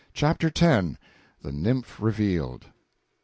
CHAPTER X. The Nymph Revealed.